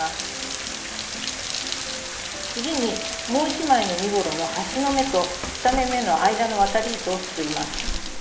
次にもう一枚の身ごろの端の目と２目めの間の渡り糸をすくいます。